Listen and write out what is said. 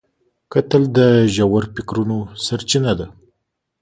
کتل د ژور فکرونو سرچینه ده